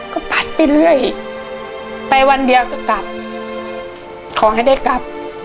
ก็ปัดไปเรื่อยไปวันเดียวก็กลับขอให้ได้กลับ